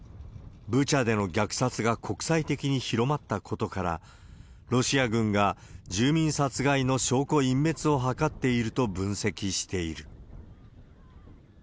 ブチャでの虐殺が国際的に広まったことから、ロシア軍が住民殺害の証拠隠滅を図っていると分析している。